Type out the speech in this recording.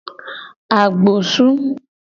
Agbosu.